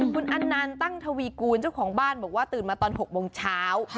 คุณอันนันตั้งทวีกูลเจ้าของบ้านบอกว่าตื่นมาตอน๖โมงเช้า